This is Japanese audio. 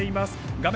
画面